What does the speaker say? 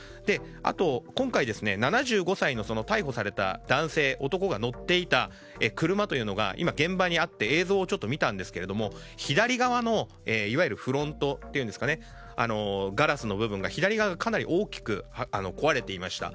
あと、今回７５歳の逮捕された男が乗っていた車というのが現場にあって映像を見たんですが左側のいわゆるフロントガラスの部分左側がかなり大きく壊れていました。